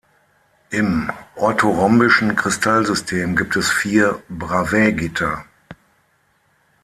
Im orthorhombischen Kristallsystem gibt es vier Bravaisgitter.